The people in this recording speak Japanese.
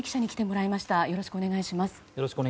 よろしくお願いします。